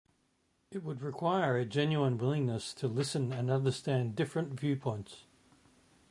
It would require a genuine willingness to listen and understand different viewpoints.